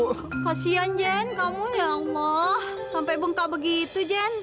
kasian jen kamu ya allah sampai bengkak begitu jen